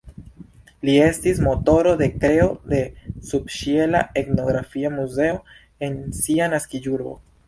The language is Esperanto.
Li estis motoro de kreo de subĉiela etnografia muzeo en sia naskiĝurbo.